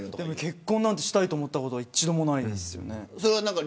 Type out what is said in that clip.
結婚なんてしたいと思ったこと一度もないです。